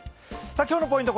今日のポイント